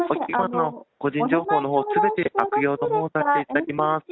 個人情報のほう、すべて悪用のほうをさせていただきます。